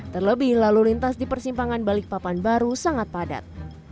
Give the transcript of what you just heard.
terlebih lalu lintas di persimpangan balikpapan baru sangat padat